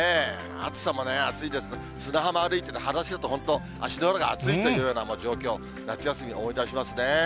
暑さも暑いですが、砂浜歩いてると、はだしだと本当、足の裏が熱いというような状況、夏休み思い出しますね。